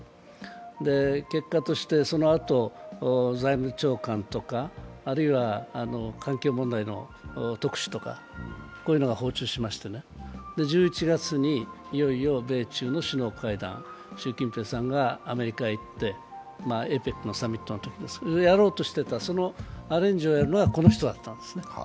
結果としてそのあと、財務長官とか環境問題の特使とかこういうのが訪中しまして１１月に、いよいよ米中の首脳会談習近平さんがアメリカへ行って、ＡＰＥＣのサミットのとき、やろうとしていた、そのアレンジをやるのはこの人だったんですね。